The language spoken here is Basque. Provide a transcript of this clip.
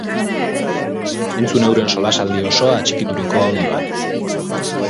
Entzun euren solasadi osoa atxikituriko audioan!